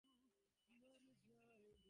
আমার কথা মনে পড়ছিল?